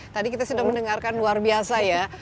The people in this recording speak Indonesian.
tadi kita sudah mendengarkan luar biasa ya